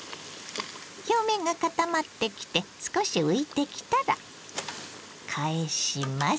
表面が固まってきて少し浮いてきたら返します。